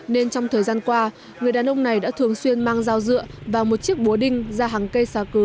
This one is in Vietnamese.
nên trong thời gian qua người đàn ông này đã thường xuyên mang dao dựa vào một chiếc búa đinh ra hàng cây xà cừ